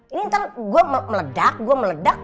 ini ntar gue meledak gue meledak